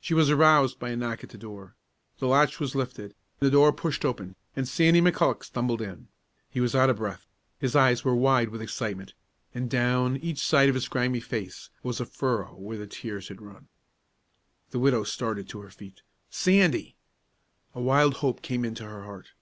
She was aroused by a knock at the door. The latch was lifted, the door pushed open, and Sandy McCulloch stumbled in. He was out of breath, his eyes were wide with excitement, and down each side of his grimy face was a furrow where the tears had run. The widow started to her feet. "Sandy!" A wild hope had come into her heart.